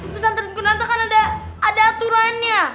di pesantren berantakan ada aturannya